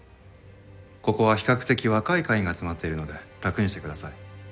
ここは比較的若い会員が集まっているので楽にしてください。